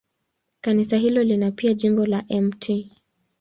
Kanisa hilo lina pia jimbo la Mt.